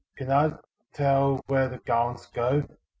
can I tell where the garlands go?